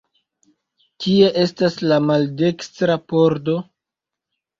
Kie estas la maldekstra pordo?